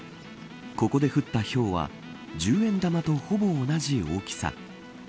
ここで降ったひょうは１０円玉とほぼ同じ大きさ。